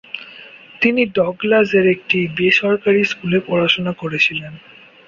তিনি ডগলাসের একটি বেসরকারী স্কুলে পড়াশোনা করেছিলেন।